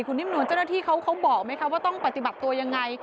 คุณนิ่มนวลเจ้าหน้าที่เขาบอกไหมคะว่าต้องปฏิบัติตัวยังไง